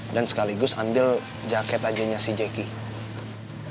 dan sekaligus ambil jaket ajanya si jackie